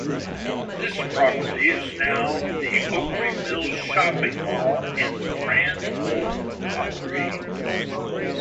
This property is now the Opry Mills shopping mall and the Grand Ole Opry.